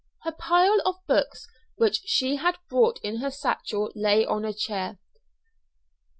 Her pile of books, which she had brought in her satchel, lay on a chair.